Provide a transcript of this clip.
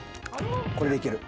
これでいける。